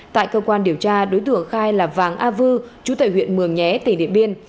tại cơ quan điều tra đối tượng khai là vàng a vư chú tại huyện mường nhé tỉnh điện biên